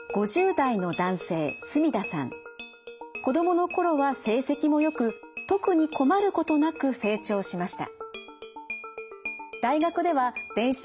子どもの頃は成績もよく特に困ることなく成長しました。